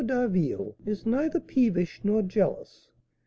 d'Harville is neither peevish nor jealous."